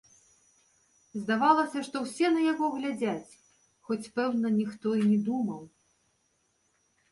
Здавалася, што ўсе на яго глядзяць, хоць, пэўна, ніхто і не думаў.